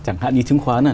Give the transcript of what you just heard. chẳng hạn như chứng khoán là